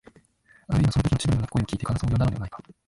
あるいは、そのとき千鳥の鳴く声をきいて感想をよんだのではないか、